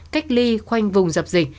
cách ly khoanh vùng dập dịch